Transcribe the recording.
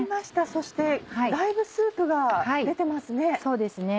そしてだいぶスープが出てますね。